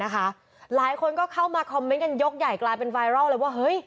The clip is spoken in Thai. หลายคนก็เข้ามาคอมเมนต์กันยกใหญ่กลายเป็นไวรัลเลยว่า